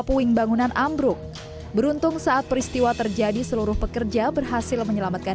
puing bangunan ambruk beruntung saat peristiwa terjadi seluruh pekerja berhasil menyelamatkan